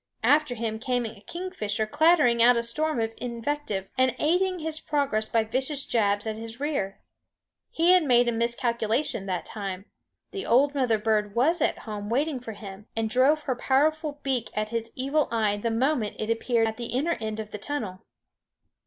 After him came a kingfisher clattering out a storm of invective and aiding his progress by vicious jabs at his rear. He had made a miscalculation that time; the old mother bird was at home waiting for him, and drove her powerful beak at his evil eye the moment it appeared at the inner end of the tunnel.